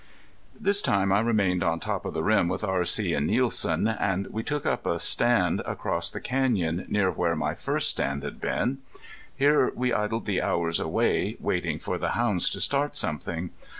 This time I remained on top of the rim with R.C. and Nielsen; and we took up a stand across the canyon, near where my first stand had been. Here we idled the hours away waiting for the hounds to start something.